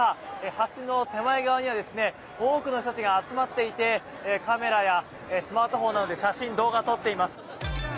橋の手前側には多くの人たちが集まっていてカメラやスマートフォンなどで写真、動画を撮っています。